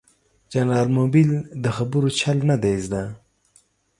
جنرال مبين ده خبرو چل نه دې زده.